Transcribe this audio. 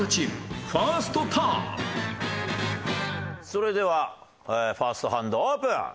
それではファーストハンドオープン。